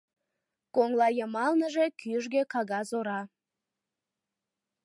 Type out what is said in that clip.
Коҥлайымалныже кӱжгӧ кагаз ора.